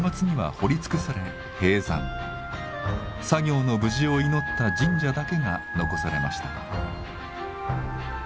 作業の無事を祈った神社だけが残されました。